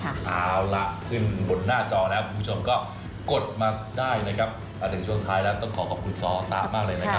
เอาล่ะขึ้นบนหน้าจอแล้วคุณผู้ชมก็กดมาได้นะครับมาถึงช่วงท้ายแล้วต้องขอขอบคุณซอตะมากเลยนะครับ